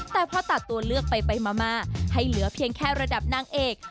แต่พอตัดตัวเลือกไปมาให้เหลือเพียงแค่ระดับนางเอก